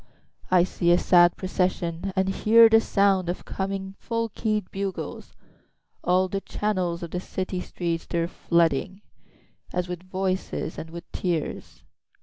3I see a sad procession, And I hear the sound of coming full key'd bugles; All the channels of the city streets they're flooding, As with voices and with tears.